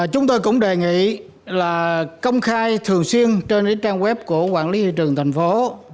chúng tôi cũng đề nghị là công khai thường xuyên trên trang web của quản lý thị trường thành phố